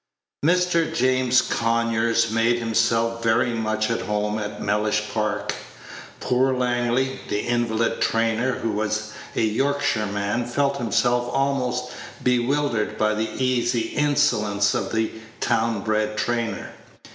Mr. James Conyers made himself very much at home at Mellish Park. Poor Langley, the invalid trainer, who was a Yorkshireman, felt himself almost bewildered by the easy insolence of the town bred trainer.